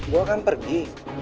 gue akan pergi